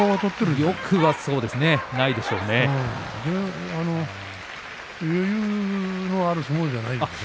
余裕のある相撲じゃないですね。